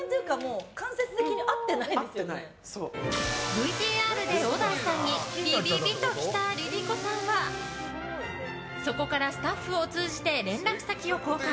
ＶＴＲで小田井さんにビビビ！と来たＬｉＬｉＣｏさんはそこからスタッフを通じて連絡先を交換。